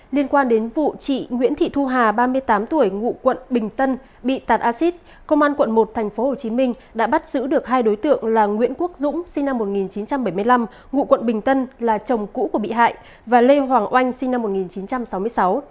liên quan đến vụ chị nguyễn thị thu hà ba mươi tám tuổi ngụ quận bình tân bị tạt acid công an quận một tp hcm đã bắt giữ được hai đối tượng là nguyễn quốc dũng sinh năm một nghìn chín trăm bảy mươi năm ngụ quận bình tân là chồng cũ của bị hại và lê hoàng oanh sinh năm một nghìn chín trăm sáu mươi sáu